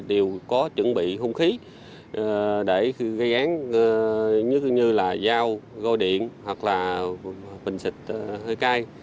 đều có chuẩn bị hung khí để gây án như giao gô điện hoặc là bình xịt hơi cay